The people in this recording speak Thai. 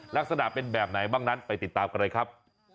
ลักษณะเป็นแบบไหนบ้างนั้นไปติดตามกันเลยครับ